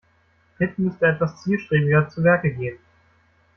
Pit müsste etwas zielstrebiger zu Werke gehen.